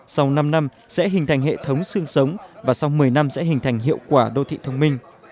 sau năm năm sẽ hình thành hệ thống sương sống và sau một mươi năm sẽ hình thành hiệu quả đô thị thông minh